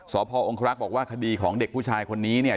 พอองครักษ์บอกว่าคดีของเด็กผู้ชายคนนี้เนี่ย